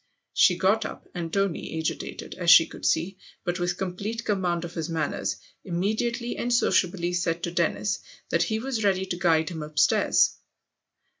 She got up, and Tony, agitated, as she could see, but with complete com mand of his manners, immediately and sociably said to Dennis that he was ready to guide him upstairs.